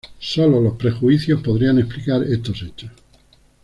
Solo los prejuicios podrían explicar estos hechos.